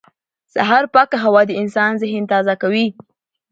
سهار پاکه هوا د انسان ذهن تازه کوي